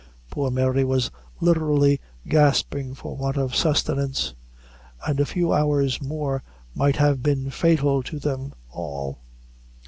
Poor Mary was literally gasping for want of sustenance, and a few hours more might have been fatal to them all.